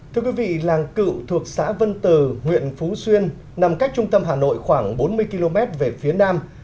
thưa quý vị làng cựu thuộc xã vân từ huyện phú xuyên nằm cách trung tâm hà nội khoảng bốn mươi km về phía nam